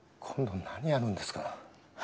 今度何やるんですか？